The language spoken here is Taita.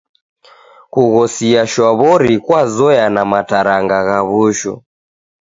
Kughosia shwaw'ori kwazoya na mataranga gha w'ushu.